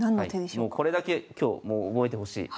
もうこれだけ今日覚えてほしい。